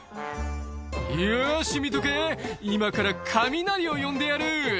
「よし見とけ今から雷を呼んでやる」